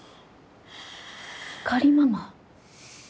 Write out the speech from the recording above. ひかりママ？